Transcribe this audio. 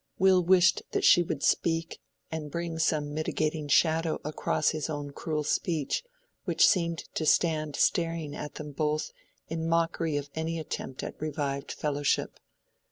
Will wished that she would speak and bring some mitigating shadow across his own cruel speech, which seemed to stand staring at them both in mockery of any attempt at revived fellowship.